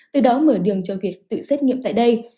từ đó mở đường cho việc tự xét nghiệm tại đây